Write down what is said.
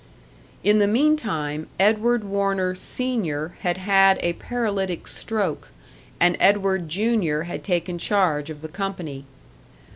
In the meantime Edward Warner Senior had had a paralytic stroke, and Edward Junior had taken charge of the company.